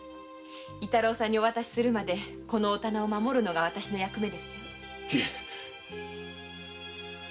伊太郎さんにお渡しするまでこのお店を守るのが私の役目。